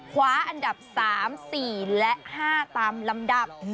คว้าอันดับ๓๔และ๕ตามลำดับ